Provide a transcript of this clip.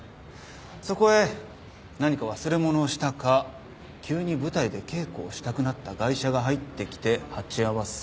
そこへ何か忘れ物をしたか急に舞台で稽古をしたくなったガイシャが入ってきて鉢合わせ。